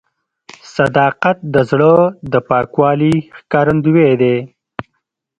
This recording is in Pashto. صداقت د زړه د پاکوالي ښکارندوی دی.